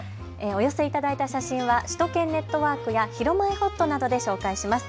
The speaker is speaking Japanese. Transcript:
お寄せいただいた写真は首都圏ネットワークやひるまえほっとなどで紹介します。